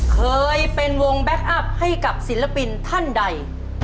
เคยเป็นวงแบ็คอัพให้กับศิลปินท่านใด